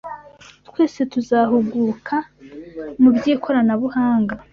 twese tuzahuguka mu by’ikoranabuhanga